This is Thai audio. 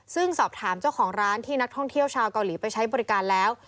ซึ่งสอบถามเจ้าของร้านที่นักท่องเที่ยวชาวเกาหลีไปใช้บริการแล้ว